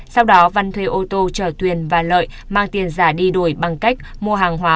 sau đó văn thuê ô tô chở tuyền và lợi mang tiền giả đi đuổi bằng cách mua hàng hóa